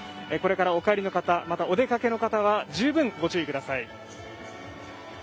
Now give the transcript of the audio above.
これからお帰りの方、またお出かけの方は十分、ご注意ください。